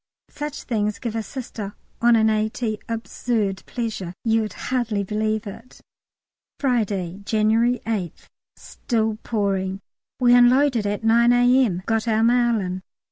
Such things give a Sister on an A.T. absurd pleasure; you'd hardly believe it. Friday, January 8th. Still pouring. We unloaded by 9 A.M., got our mail in.